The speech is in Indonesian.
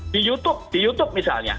di youtube misalnya